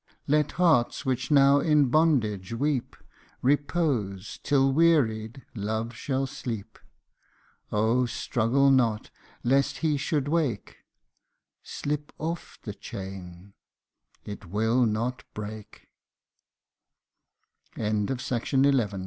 Let hearts which now in bondage weep, Repose, till wearied Love shall sleep : Oh ! struggle not, lest he should wake ; Slip off the chain it will not break. 184 IFS OH